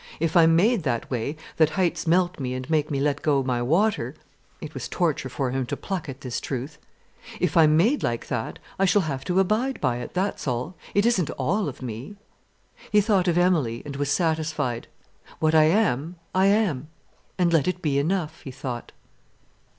If I'm made that way, that heights melt me and make me let go my water"—it was torture for him to pluck at this truth—"if I'm made like that, I shall have to abide by it, that's all. It isn't all of me." He thought of Emilie, and was satisfied. "What I am, I am; and let it be enough," he thought.